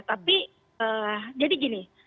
tapi jadi gini